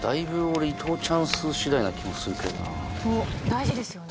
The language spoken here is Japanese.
大事ですよね。